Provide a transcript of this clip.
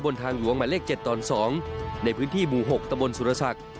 บนทางหลวงหมายเลขเจ็ดตอนสองในพื้นที่หมู่หกตะบนสุรสัก